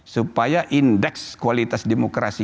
supaya indeks kualitas demokrasi